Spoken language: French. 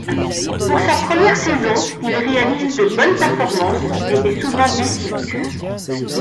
Pour sa première saison, il réalise de bonnes performances et est souvent décisif.